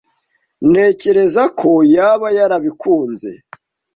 Ntekereza ko yaba yarabikunze.